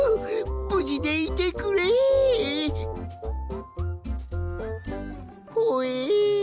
ぶじでいてくれ！ほえ！？